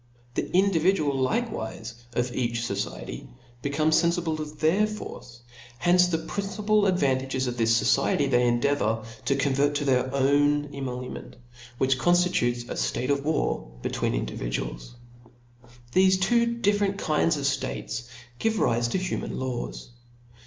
The individuals likewife of each fociety become fcpfible of their force ; hence the principal advan tages of this fociety they endeavour to convert to their own emolument, which conftitutes a ftate of war betwixt individuals. Thefe two different kinds of ftates give rife to human laws.